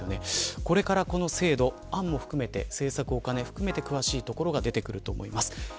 これから、この制度、案も含めて詳しいところが出てくると思います。